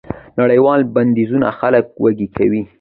نړیوال بندیزونه خلک وږي کوي.